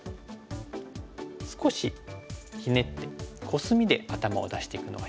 少しひねってコスミで頭を出していくのがいいか。